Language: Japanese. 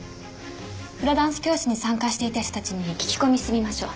フラダンス教室に参加していた人たちに聞き込みしてみましょう。